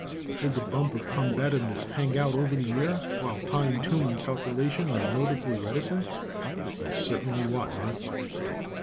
Should the bump of combativeness hang out over the ear, while time, tune and calculation are noticeably reticent? I certainly wot not.